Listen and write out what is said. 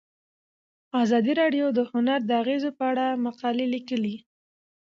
ازادي راډیو د هنر د اغیزو په اړه مقالو لیکلي.